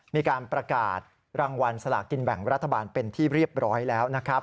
มีการประกาศรางวัลสลากินแบ่งรัฐบาลเป็นที่เรียบร้อยแล้วนะครับ